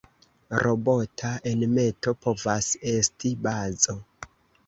Robota enmeto povas esti bazo.